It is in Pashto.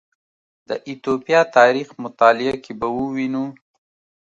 د ایتوپیا تاریخ مطالعه کې به ووینو